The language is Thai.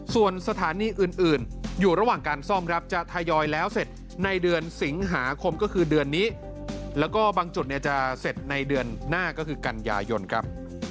ส่วนสถานีอื่นอยู่ระหว่างการซ่อมครับจะทยอยแล้วเสร็จในเดือนสิงหาคมก็คือเดือนนี้แล้วก็บางจุดเนี่ยจะเสร็จในเดือนหน้าก็คือกันยายนครับ